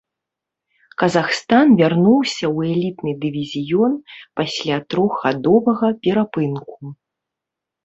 Казахстан вярнуўся ў элітны дывізіён пасля трохгадовага перапынку.